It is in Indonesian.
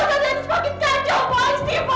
kau akan mengecewakan aku